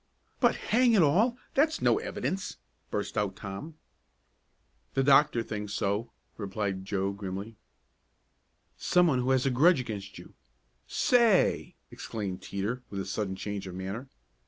"But, hang it all, that's no evidence!" burst out Tom. "The doctor thinks so," replied Joe grimly. "Some one who has a grudge against you Say!" exclaimed Teeter with a sudden change of manner.